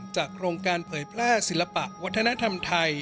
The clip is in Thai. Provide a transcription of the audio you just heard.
โครงการเผยแพร่ศิลปะวัฒนธรรมไทย